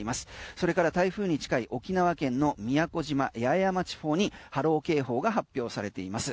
それから台風に近い沖縄県の宮古島・八重山地方に波浪警報が発表されています。